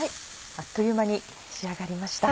あっという間に仕上がりました。